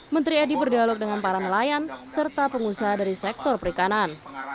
menteri edi berdialog dengan para nelayan serta pengusaha dari sektor perikanan